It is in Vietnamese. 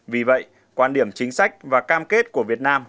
vì vậy quan điểm chính sách và cam kết của việt nam